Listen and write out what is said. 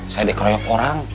saya dikeroyok orang